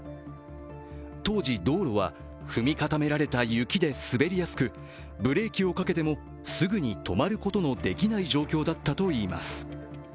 当時、道路は踏み固められた雪で滑りやすくブレーキをかけてもすぐに止まることのできない状況だったといいます。